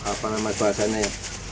apa namanya bahasanya ya